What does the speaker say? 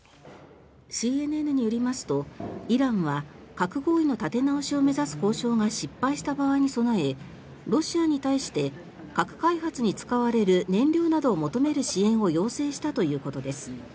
ＣＮＮによりますとイランは核合意の立て直しを目指す交渉が失敗した場合に備えロシアに対して核開発に使われる燃料などを求める支援を要請したということです。